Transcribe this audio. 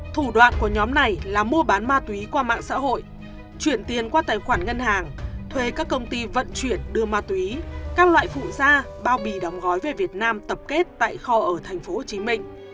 thủ đoạn của nhóm này là mua bán ma túy qua mạng xã hội chuyển tiền qua tài khoản ngân hàng thuê các công ty vận chuyển đưa ma túy các loại phụ da bao bì đóng gói về việt nam tập kết tại kho ở tp hcm